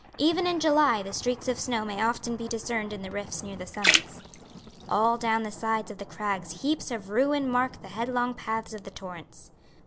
Even in July the streaks of snow may often be discerned in the rifts near the summits. All down the sides of the crags heaps of ruin mark the headlong paths of the torrents.